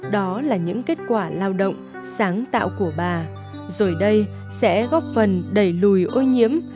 đó là những kết quả lao động sáng tạo của bà rồi đây sẽ góp phần đẩy lùi ô nhiễm